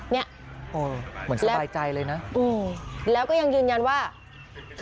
นี่แล้วอืมแล้วก็ยังยืนยันว่ามันสบายใจเลยนะ